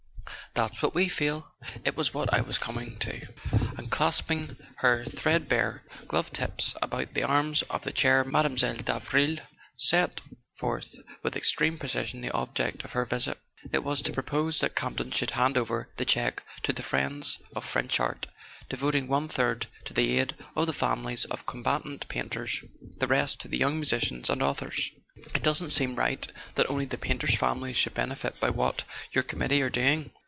"That's what we feel; it was [ 169 ] A SON AT THE FRONT what I was coming to." And* clasping her threadbare glove tips about the arms of the chair Mile. Davril set forth with extreme precision the object of her visit. It was to propose that Campton should hand over the cheque to "The Friends of French Art," devoting one third to the aid of the families of combatant painters, the rest to young musicians and authors. "It doesn't seem right that only the painters' families should benefit by what your committee are doing.